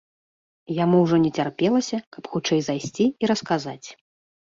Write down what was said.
І яму ўжо не цярпелася, каб хутчэй зайсці і расказаць.